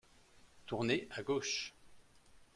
Tournez à gauche.